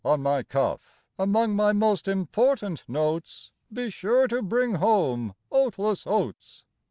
on my cuff, Among my most important notes Be sure to bring home Oatless Oats.